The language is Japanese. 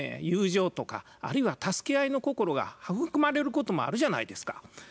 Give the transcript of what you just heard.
友情とかあるいは助け合いの心が育まれることもあるじゃないですか。